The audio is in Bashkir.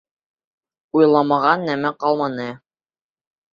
Уйламаған нәмә ҡалманы.